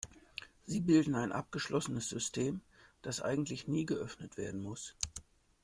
Sie bilden ein abgeschlossenes System, das eigentlich nie geöffnet werden muss.